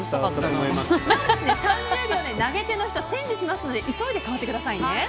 ３０秒で投げ手の人はチェンジしますので急いで変わってくださいね。